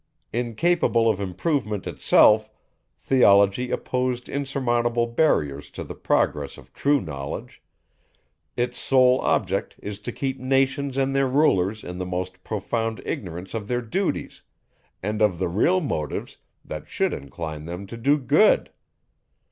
Incapable of improvement itself, Theology opposed insurmountable barriers to the progress of true knowledge; its sole object is to keep nations and their rulers in the most profound ignorance of their duties, and of the real motives, that should incline them to do good.